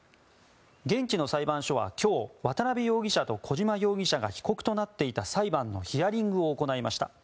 現地の裁判所は今日渡邉容疑者と小島容疑者が被告となっていた裁判のヒアリングを行いました。